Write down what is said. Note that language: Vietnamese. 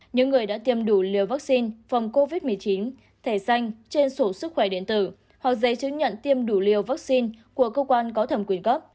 những người đã tiêm đủ liều vaccine phòng covid một mươi chín thẻ xanh trên sổ sức khỏe điện tử hoặc giấy chứng nhận tiêm đủ liều vaccine của cơ quan có thẩm quyền cấp